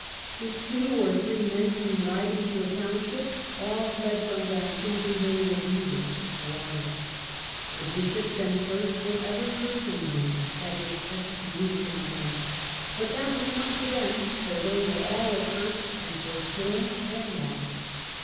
... If two or three men came riding to a township, all fled from them thinking they were reavers (marauders). The bishops and clerks were ever cursing them (i,e. excommunicating them); but that was nought to them, for they were all accursed, and forsworn and lost."